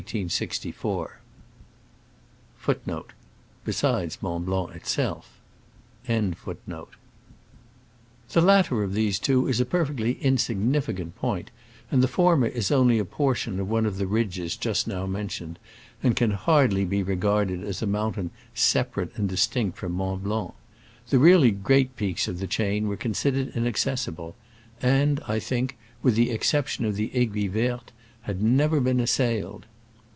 * The latter of these two is a perfectly in significant point, and the former is only a portion of one of the ridges just now mentioned, and can hardly be regard ed as a mountain separate and distinct from Mont Blanc. The really great peaks of the chain were considered in accessible, and, I think, with the excep tion of the Aiguille Verte, had never been assailed.